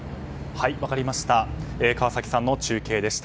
分かりました。